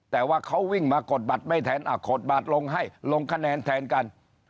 แต่ว่าเขาวิ่งมากดบัตรไม่แทนกดบัตรลงให้ลงคะแนนแทนกัน